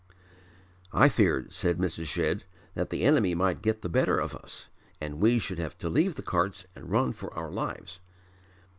"I feared," said Mrs. Shedd, "that the enemy might get the better of us and we should have to leave the carts and run for our lives.